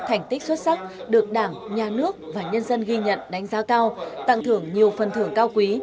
thành tích xuất sắc được đảng nhà nước và nhân dân ghi nhận đánh giá cao tặng thưởng nhiều phần thưởng cao quý